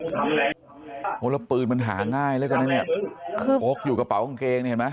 เพราะละปืนมันหาง่ายแล้วก็นั่นเนี่ยโพกอยู่กระเป๋ากางเกงนี่เห็นมั้ย